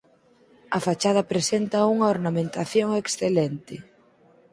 A fachada presenta unha ornamentación excelente.